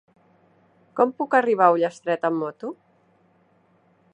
Com puc arribar a Ullastret amb moto?